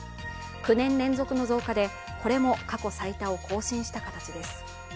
９年連続の増加で、これも過去最多を更新した形です。